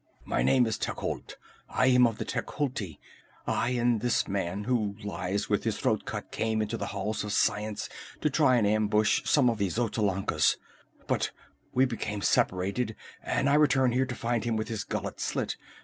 "My name is Techotl. I am of Tecuhltli. I and this man who lies with his throat cut came into the Halls of Science to try and ambush some of the Xotalancas. But we became separated and I returned here to find him with his gullet slit.